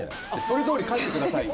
「それどおり書いてください」。